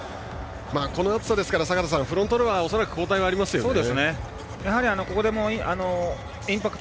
この暑さですからフロントローの交代はありますね。